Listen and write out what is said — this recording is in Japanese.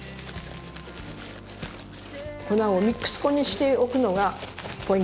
粉をミックス粉にしておくのがポイントです。